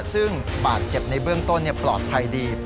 ซึ่งบาดเจ็บในเบื้องต้นปลอดภัยดี